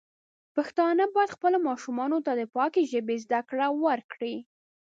پښتانه بايد خپلو ماشومانو ته د پاکې ژبې زده کړه ورکړي.